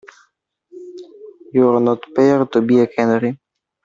You're not paid to be a canary.